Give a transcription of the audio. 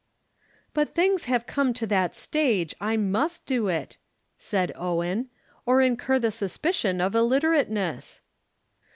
"But things have come to that stage I must do it," said Owen, "or incur the suspicion of illiterateness."